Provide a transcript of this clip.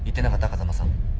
風間さん。